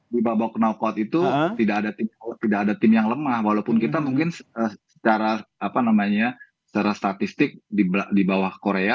di babak knowcod itu tidak ada tim yang lemah walaupun kita mungkin secara statistik di bawah korea